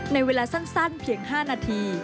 ในเวลาสั้นเพียง๕นาที